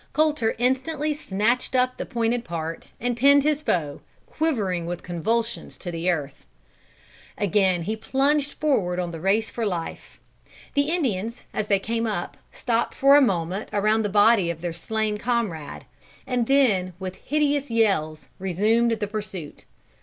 Colter instantly snatched up the pointed part, and pinned his foe, quivering with convulsions to the earth. Again he plunged forward on the race for life. The Indians, as they came up, stopped for a moment around the body of their slain comrade, and then, with hideous yells, resumed the pursuit.